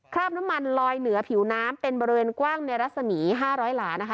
คราบน้ำมันลอยเหนือผิวน้ำเป็นบริเวณกว้างในรัศมี๕๐๐หลานะคะ